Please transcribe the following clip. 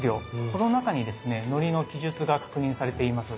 この中にですねのりの記述が確認されています。